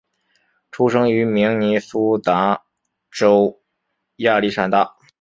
出生于明尼苏达州亚历山大。